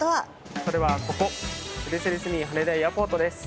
それはここメルセデスミー羽田エアポートです。